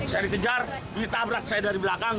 saya dikejar ditabrak saya dari belakang